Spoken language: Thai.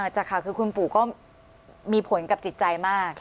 จากข่าวคือคุณปู่ก็มีผลกับจิตใจมาก